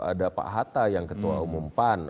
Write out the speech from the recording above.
ada pak hatta yang ketua umum pan